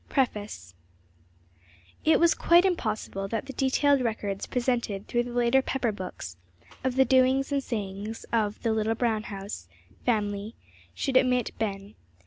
] PREFACE It was quite impossible that the detailed records presented through the later Pepper books, of the doings and sayings of the "Little Brown House" family, should omit Ben.